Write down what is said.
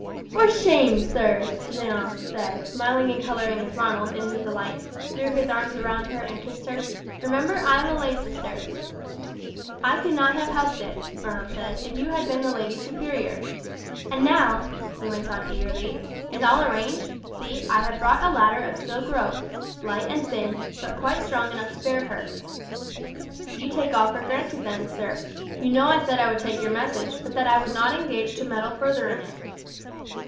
"For shame, sir!" Jeanne said, smiling and colouring as Ronald, in his delight, threw his arms round her and kissed her. "Remember I am a lay sister." "I could not have helped it," Ronald said, "if you had been the lady superior. And now," he went on eagerly, "is all arranged? See, I have brought a ladder of silk rope, light and thin, but quite strong enough to bear her." "You take all for granted then, sir. You know I said I would take your message, but that I would not engage to meddle further in it."